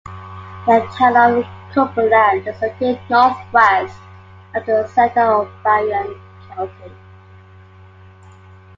The town of Cumberland is located northwest of the center of Barron County.